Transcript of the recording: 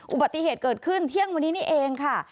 อุบัติเหตุเกิดขึ้นเที่ยงวันนี้นี่เองค่ะ